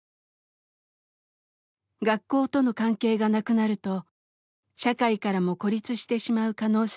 学校との関係がなくなると社会からも孤立してしまう可能性が見えてきました。